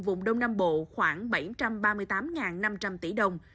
vùng đông nam bộ khoảng bảy trăm ba mươi tám năm trăm linh tỷ đồng